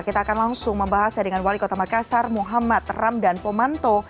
kita akan langsung membahasnya dengan wali kota makassar muhammad ramdan pomanto